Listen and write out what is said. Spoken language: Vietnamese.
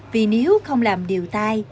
vì nếu không làm điều tai